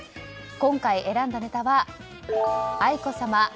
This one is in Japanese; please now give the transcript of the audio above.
今回選んだネタは愛子さま